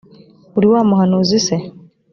uri wa muhanuzi se